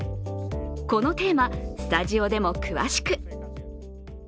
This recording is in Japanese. このテーマ、スタジオでも詳しく。